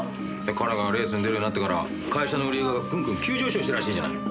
彼がレースに出るようになってから会社の売り上げがぐんぐん急上昇したらしいじゃない。